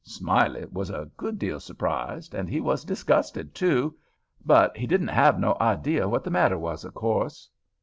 Smiley was a good deal surprised, and he was disgusted too, but he didn't have no idea what the matter was, of course.